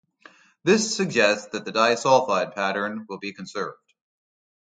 This suggests that the disulfide pattern will be conserved.